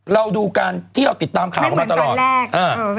เราดูการที่เราติดตามข่าวไม่เหมือนต่อแรก